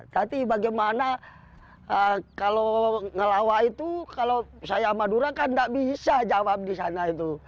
tapi bagaimana kalau ngelawak itu kalau saya madura kan nggak bisa jawab di sana itu